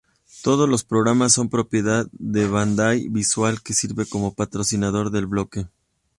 Todos los programas son propiedad de Bandai Visual que sirve como patrocinador del bloque.